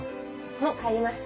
もう帰ります。